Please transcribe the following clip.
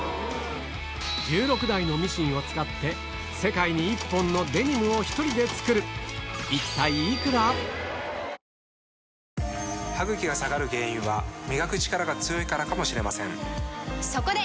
１６台のミシンを使って世界に一本のデニムを１人で作る歯ぐきが下がる原因は磨くチカラが強いからかもしれませんそこで！